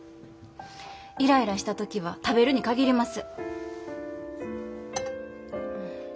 イライラした時は食べるに限ります。